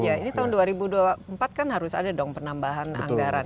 iya ini tahun dua ribu dua puluh empat kan harus ada dong penambahan anggaran